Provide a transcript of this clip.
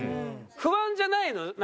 不安じゃないの？